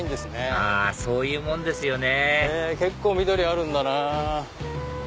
あそういうもんですよね結構緑あるんだなぁ。